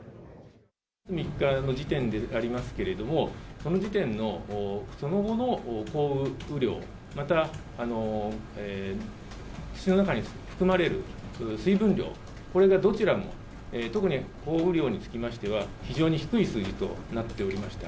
３日の時点でありますけれども、その時点のその後の降雨量、また、土の中に含まれる水分量、これがどちらも、特に降雨量につきましては、非常に低い数字となっておりました。